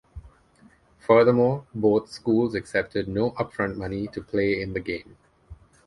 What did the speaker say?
Furthermore, both schools accepted no upfront money to play in the game.